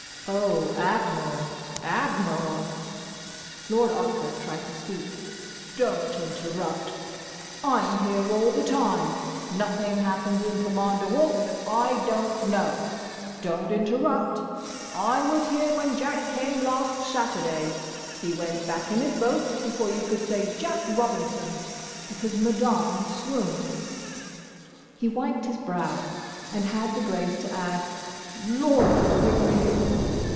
(Oh, Admiral, Admiral!) Lord Otford tried to speak. "Don't interrupt!—I'm here all the time. Nothing happens in Pomander Walk that I don't know. Don't interrupt!—I was here when Jack came last Saturday. He went back in his boat before you could say 'Jack Robinson,' because Madame swooned!" He wiped his brow, and had the grace to add "Lord, forgive me!"